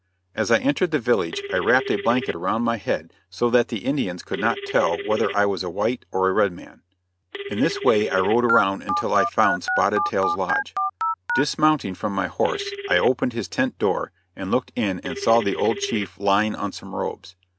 As I entered the village I wrapped a blanket around my head so that the Indians could not tell whether I was a white or a red man. In this way I rode around until I found Spotted Tail's lodge. Dismounting from my horse I opened his tent door and looked in and saw the old chief lying on some robes.